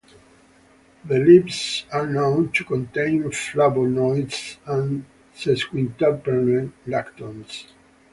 The leaves are known to contain flavonoids and sesquiterpene lactones.